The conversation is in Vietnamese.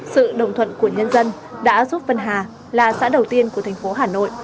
sự đồng thuận của nhân dân đã giúp vân hà là xã đầu tiên của thành phố hà nội